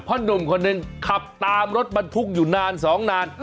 เพราะหนุ่มคนหนึ่งขับตามรถบรรทุกอยู่นานสองนาน